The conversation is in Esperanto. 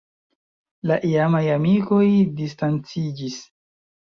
La iamaj amikoj distanciĝis.